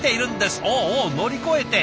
おお乗り越えて。